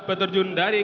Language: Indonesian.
dapat peterjun dari